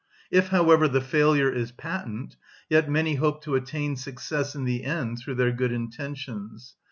If, however, the failure is patent, yet many hope to attain success in the end through their good intentions.